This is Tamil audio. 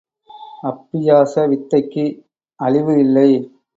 அப்பியாச வித்தைக்கு அழிவு இல்லை.